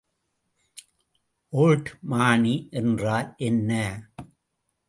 ஒல்ட்டுமானி என்றால் என்ன?